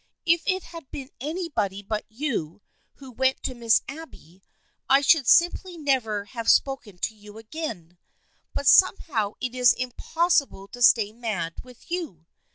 If it had been anybody but you who went to Miss Abby I should simply never have spoken to you again, but somehow it is impossible to stay mad with you.